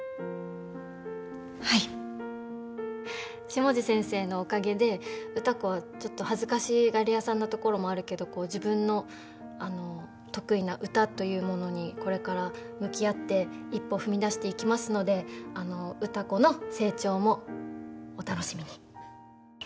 下地先生のおかげで歌子はちょっと恥ずかしがり屋さんなところもあるけど自分の得意な歌というものにこれから向き合って一歩踏み出していきますので歌子の成長もお楽しみに。